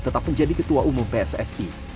tetap menjadi ketua umum pssi